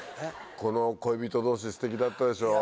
この恋人同士ステキだったでしょ？